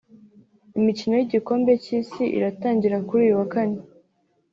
Imikino y’Igikombe cy’Isi iratangira kuri uyu wa Kane